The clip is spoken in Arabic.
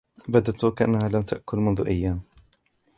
بدت و كأنها لم تأكل منذ أيام.